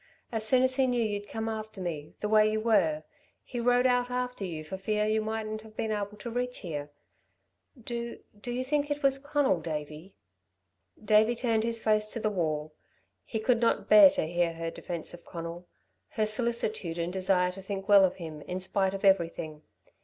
As soon as he knew you'd come after me, the way you were, he rode out after you for fear you mightn't have been able to reach here. Do do you think it was Conal, Davey?" Davey turned his face to the wall. He could not bear to hear her defence of Conal her solicitude and desire to think well of him in spite of everything.